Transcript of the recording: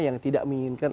yang tidak menginginkan